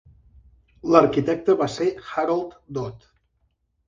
L'arquitecte va ser Harold Dod.